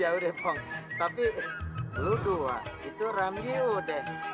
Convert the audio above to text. jauh deh pong tapi lu dua itu ramji udah